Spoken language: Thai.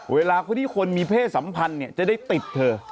เวลาคนที่คนมีเพศสัมพันธ์จะได้ติดเธอ